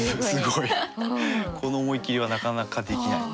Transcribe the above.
この思い切りはなかなかできない。